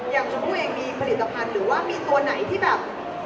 อย่างเช่นผู้เองมีผลิตภัณฑ์หรือว่ามีตัวไหนที่แบบ